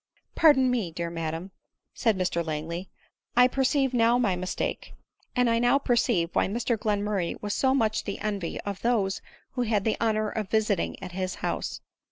" Pardon me, dear madam," said Mr Langley, "I perceive now my mistake ; and I now perceive why Mr Glenmurray was so much the envy of those who had the honor of visiting at his house.